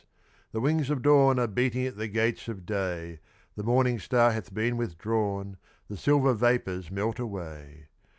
The wings of dawn Are beating at the gates of day, The morning star hath been withdrawn, The silver vapours melt away.